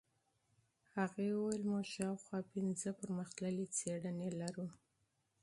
هغې وویل موږ شاوخوا پنځه پرمختللې څېړنې لرو.